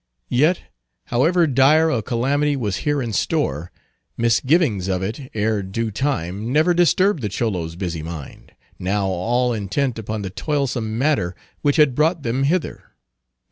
Yet, however dire a calamity was here in store, misgivings of it ere due time never disturbed the Cholos' busy mind, now all intent upon the toilsome matter which had brought them hither.